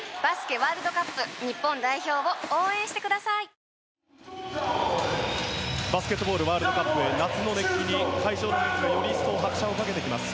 サントリー「金麦」バスケットボールワールドカップへ夏の熱気に会場の熱がより一層拍車をかけてきます。